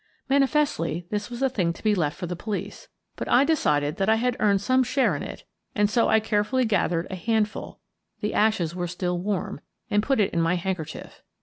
Manifestly, this was a thing to be left for the police, but I decided that I had earned some share in it, and so I carefully gathered a handful — the ashes were still warm — and put it in my handker chief.